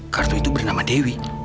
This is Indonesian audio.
kartu itu bernama dewi